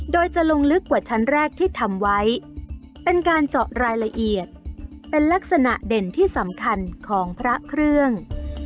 โดยจะลงลึกกว่าชั้นแรกที่ทำไว้เป็นการเจาะรายละเอียดเป็นลักษณะเด่นที่สำคัญของพระเครื่อง